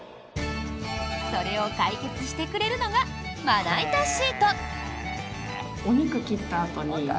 それを解決してくれるのがまな板シート。